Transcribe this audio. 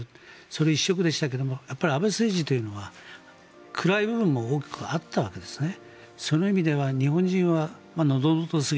それ一色でしたが安倍政治というのは暗い部分も多くあったわけですね。